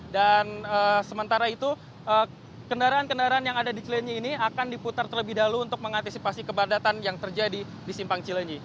dan sementara itu kendaraan kendaraan yang ada di cileni ini akan diputar terlebih dahulu untuk mengantisipasi kebadatan yang terjadi di simpang cileni